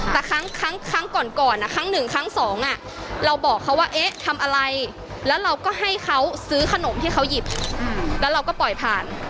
แต่ครั้งก่อนครั้งหนึ่งครั้งสองเราบอกเขาว่าเอ๊ะทำอะไรแล้วเราก็ให้เขาซื้อขนมที่เขาหยิบแล้วเราก็ปล่อยผ่าน